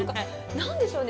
何でしょうね。